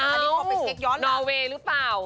อ้าวนอเวร์หรือเปล่า